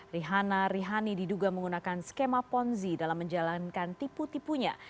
rihana rihani diduga menggunakan skema ponzi dalam menjalankan tipu tipunya